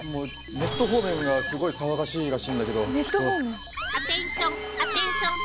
ネット方面がすごい騒がしいらしいんだけど。